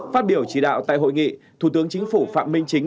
phát biểu chỉ đạo tại hội nghị thủ tướng chính phủ phạm minh chính